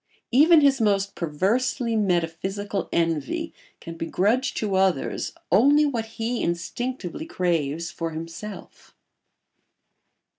Even his most perversely metaphysical envy can begrudge to others only what he instinctively craves for himself.